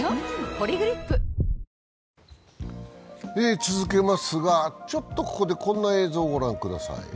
「ポリグリップ」続けますが、ちょっとここでこんな映像をご覧ください。